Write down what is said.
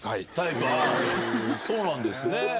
そうなんですね。